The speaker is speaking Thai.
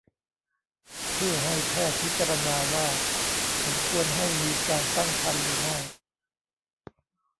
เพื่อให้แพทย์พิจารณาว่าสมควรให้มีการตั้งครรภ์หรือไม่